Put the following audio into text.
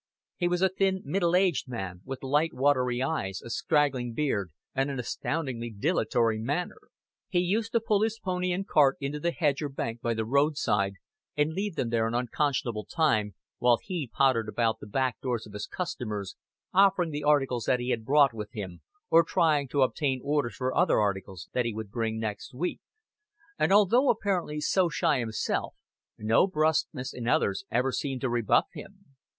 He was a thin middle aged man, with light watery eyes, a straggling beard, and an astoundingly dilatory manner. He used to pull his pony and cart into the hedge or bank by the roadside, and leave them there an unconscionable time, while he pottered about the back doors of his customers, offering the articles that he had brought with him, or trying to obtain orders for other articles that he would bring next week; and although apparently so shy himself, no bruskness in others ever seemed to rebuff him.